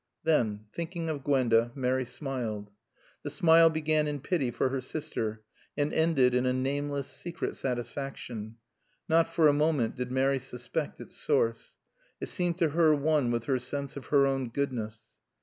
Then, thinking of Gwenda, Mary smiled. The smile began in pity for her sister and ended in a nameless, secret satisfaction. Not for a moment did Mary suspect its source. It seemed to her one with her sense of her own goodness.